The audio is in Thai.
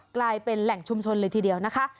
กลายเป็นแหล่งชุมชนเลยทีเดียวนะคะ